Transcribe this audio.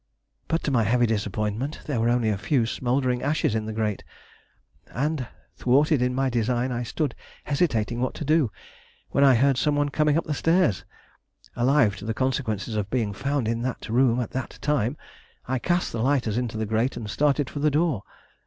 But, to my heavy disappointment, there were only a few smoldering ashes in the grate, and, thwarted in my design, I stood hesitating what to do, when I heard some one coming up stairs. Alive to the consequences of being found in that room at that time, I cast the lighters into the grate and started for the door.